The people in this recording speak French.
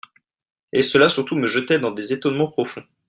Et cela surtout me jetait dans des etonnements profonds.